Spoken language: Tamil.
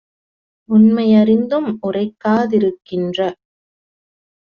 உண்மை யறிந்தும் உரைக்கா திருக்கின்ற